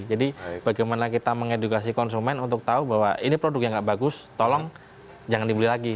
jadi bagaimana kita mengedukasi konsumen untuk tahu bahwa ini produk yang nggak bagus tolong jangan dibeli lagi